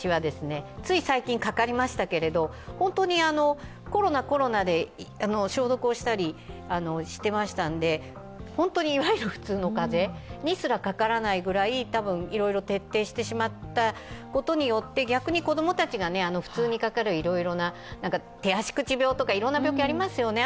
つい最近、かかりましたけど、本当にコロナ、コロナで消毒をしたりしてましたんで、いわゆる普通の風邪にすらかからないくらい多分、いろいろ徹底してしまったことによって逆に子供たちが普通にかかる、いろいろな、手足口病とかいろんな病気ありますよね。